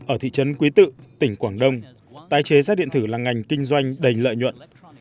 ở thị trấn quý tự tỉnh quảng đông tái chế rác điện thử là ngành kinh doanh đầy lợi nhuận